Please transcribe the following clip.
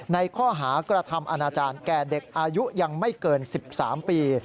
ในข้อหากระทำอาณาจารย์แก่เด็กอายุยังไม่เกิน๑๓ปี